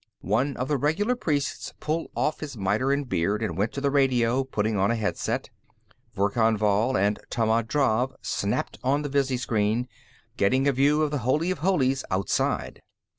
One of the regular priests pulled off his miter and beard and went to the radio, putting on a headset. Verkan Vall and Tammand Drav snapped on the visiscreen, getting a view of the Holy of Holies outside.